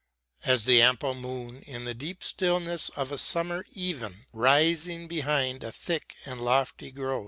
As the ample moon In the deep stillness of a summer even Rising behind a thick and lofty grove.